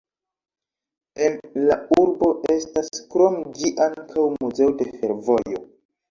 En la urbo estas krom ĝi ankaŭ muzeo de fervojo.